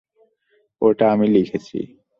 ওটা আমি লিখেছি!